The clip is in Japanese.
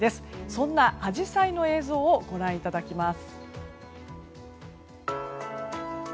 そんなアジサイの映像をご覧いただきます。